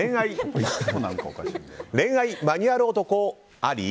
恋愛マニュアル男あり？